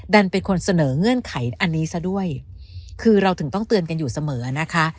เป็นคนเสนอเงื่อนไขอันนี้ซะด้วยคือเราถึงต้องเตือนกันอยู่เสมอนะคะ